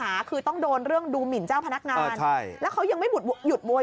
อ่าคุณผู้ชมเดี๋ยวมันจะมีช็อตที่เห็นว่ามีป้าย